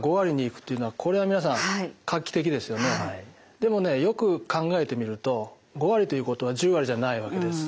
でもねよく考えてみると５割ということは１０割じゃないわけです。